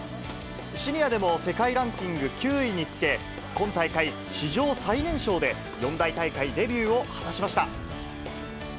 シニアでも世界ランキング９位につけ、今大会、史上最年少で、四大大会デビューを果たしました。